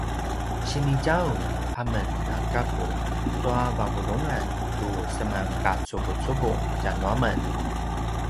sini djaulj a men na gaku tua vavulungan tu semanqacuvucuvung tjanuamen